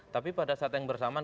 tapi pada saat yang bersamaan